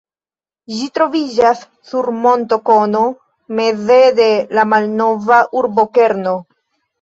Ĝi troviĝas sur montokono meze de la malnova urbokerno.